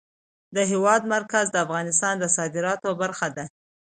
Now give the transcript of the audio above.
د هېواد مرکز د افغانستان د صادراتو برخه ده.